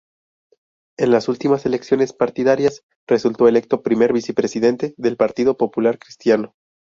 En las últimas elecciones partidarias resultó electo primer vicepresidente del Partido Popular Cristiano.